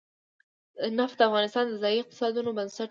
نفت د افغانستان د ځایي اقتصادونو بنسټ دی.